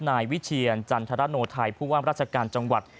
นายวิเชียรจันทรโนไทยผู้ว่ามราชการจังหวัด